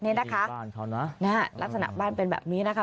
นี่นะคะลักษณะบ้านเป็นแบบนี้นะคะ